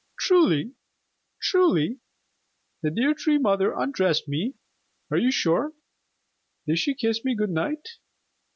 "Truly, truly? The dear Tree Mother undressed me? Are you sure? Did she kiss me good night?